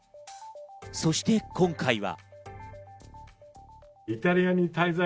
そして今回は。